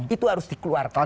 itu harus dikeluarkan